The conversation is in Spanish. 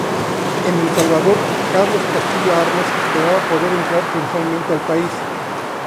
En El Salvador, Carlos Castillo Armas esperaba poder entrar triunfalmente al país.